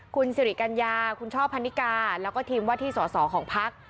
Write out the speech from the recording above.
คุณสิริกัญญาคุณช่อพันนิกาแล้วก็ทีมว่าที่สอสอของพัก